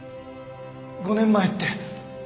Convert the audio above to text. ５年前って。